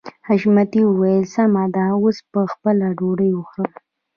حشمتي وويل سمه ده اوس به خپله ډوډۍ وخورو.